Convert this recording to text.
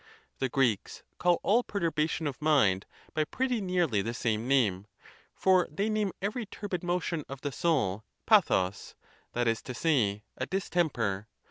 The Greeks call all perturbation of mind by pretty nearly the same name; for they name every turbid motion of the soul ra@oc, that is to say, a dis temper.